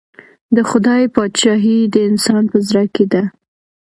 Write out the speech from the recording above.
د خدای پاچهي د انسان په زړه کې ده.